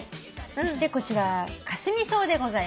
そしてこちらカスミソウでございます。